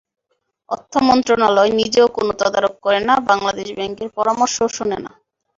অর্থ মন্ত্রণালয় নিজেও কোনো তদারক করে না, বাংলাদেশ ব্যাংকের পরামর্শও শোনে না।